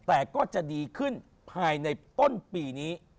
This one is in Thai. แต่ก็จะดีขึ้นภายในต้นปีนี้